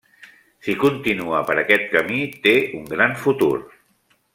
Si continua per aquest camí, té un gran futur.